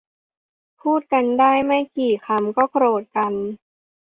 พูดกันได้ไม่กี่คำก็โกรธกัน